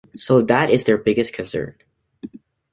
So that is their biggest concern.